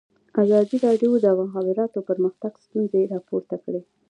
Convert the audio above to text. ازادي راډیو د د مخابراتو پرمختګ ستونزې راپور کړي.